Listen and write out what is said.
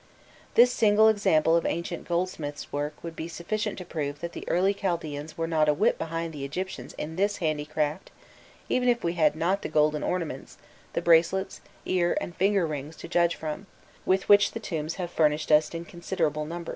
This single example of ancient goldsmiths'work would be sufficient to prove that the early Chaldaens were not a whit behind the Egyptians in this handicraft, even if we had not the golden ornaments, the bracelets, ear and finger rings to judge from, with which the tombs have furnished us in considerable numbers.